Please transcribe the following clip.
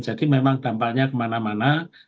jadi memang dampaknya kemana mana